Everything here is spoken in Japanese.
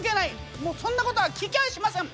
もうそんなことは聞き返しません。